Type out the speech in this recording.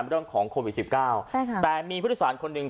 เรื่องของโควิดสิบเก้าใช่ค่ะแต่มีผู้โดยสารคนหนึ่ง